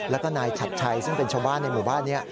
แล้วก็นายฉัดชัยซึ่งเป็นชาวบ้านในหมู่บ้านนี้